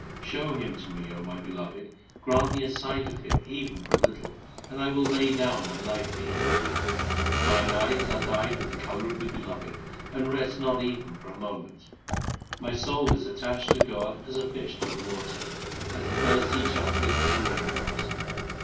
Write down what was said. Show Him to me, O my beloved, grant me a sight of Him even for a little, and I will lay down my life for you. Mine eyes are dyed with the colour of the Beloved, and rest not even for a moment. My soul is attached to God as a fish to the water, as the thirsty chatrik to the raindrops.